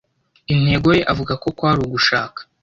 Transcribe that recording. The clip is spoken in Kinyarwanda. Intego ye avuga ko kwari ugushaka